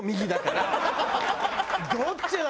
どっちだ？